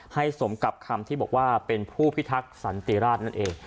สมกับคำที่บอกว่าเป็นผู้พิทักษ์สันติราชนั่นเอง